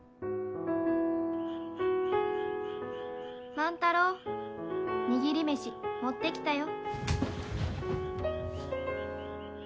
・万太郎握り飯持ってきたよ。